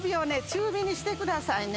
中火にしてくださいね